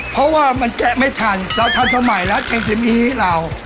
เพราะว่ามันแกะไม่ทันเราทันสมัยแล้วแกงซีมีเรา